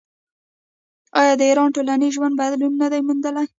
آیا د ایران ټولنیز ژوند بدلون نه دی موندلی؟